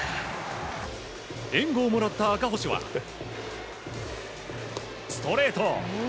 援護をもらった赤星はストレート